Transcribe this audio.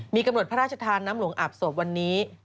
มีกำหนดพระราชทานน้ำหลวงอาบศพวันนี้